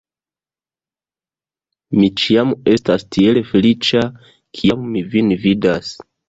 Mi ĉiam estas tiel feliĉa, kiam mi vin vidas!